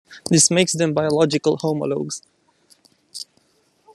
This makes them biological homologues.